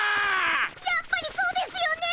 やっぱりそうですよね。